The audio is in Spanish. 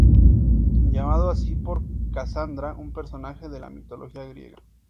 Llamado así por Casandra, un personaje de la mitología griega.